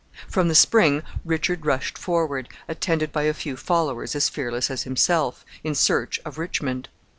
From the spring Richard rushed forward, attended by a few followers as fearless as himself, in search of Richmond.